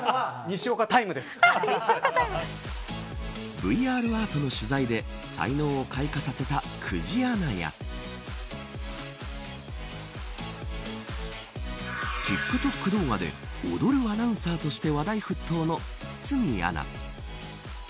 ＶＲアートの取材で才能を開花させた久慈アナやＴｉｋＴｏｋ動画で踊るアナウンサーとして話題沸騰の堤アナ。